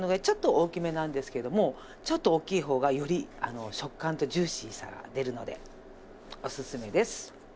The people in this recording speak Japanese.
ちょっと大きめなんですけどもちょっと大きい方がより食感とジューシーさが出るのでおすすめです。